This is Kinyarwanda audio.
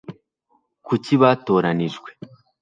kuki batoranijwe